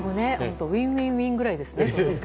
ウィンウィンウィンぐらいですね。